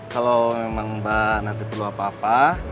kalau memang mbak nanti perlu apa apa